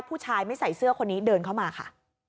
ผู้ชายไม่ใส่เสื้อคนนี้เดินเข้ามาค่ะ